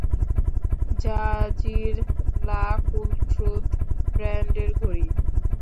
জাজির লা-কুলট্রুথ ব্র্যান্ডের ঘড়ি।